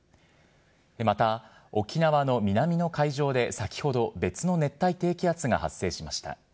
また沖縄の南の海上で先ほど、別の熱帯低気圧が発生しました。